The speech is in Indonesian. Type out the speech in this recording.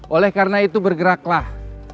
oleh karena itu bergeraklah